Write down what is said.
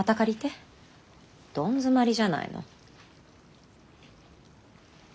どん詰まりじゃないの。